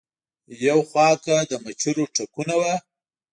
يو خوا کۀ د مچرو ټکونه وو